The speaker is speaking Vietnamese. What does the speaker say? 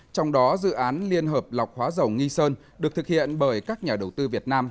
trong đó dự án liên hợp lọc hóa dầu nghi sơn được thực hiện bởi các nhà đầu tư việt nam